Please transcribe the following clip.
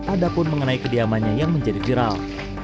adapun mengenai kediamannya yang menjadi viral